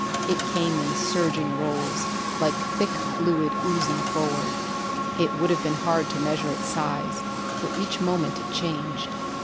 It came in surging rolls, like thick fluid oozing forward; it would have been hard to measure its size, for each moment it changed.